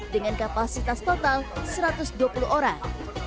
dengan kapasitas total satu ratus dua puluh orang